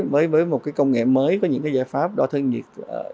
với một công nghệ mới có những giải pháp đo thương nhiệt